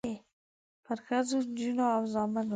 پرښخو، نجونو او زامنو